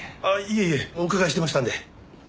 いえいえお伺いしてましたんで。